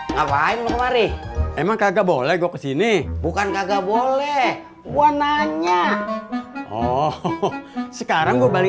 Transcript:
ngapain lu kemarin emang kagak boleh gue kesini bukan kagak boleh gua nanya oh sekarang gua balik